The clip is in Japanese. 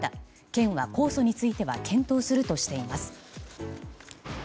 県は、控訴については検討するとしています。